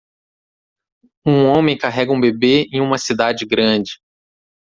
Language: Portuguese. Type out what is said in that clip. Um homem carrega um bebê em uma cidade grande.